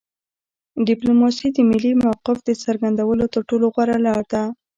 ډیپلوماسي د ملي موقف د څرګندولو تر ټولو غوره لار ده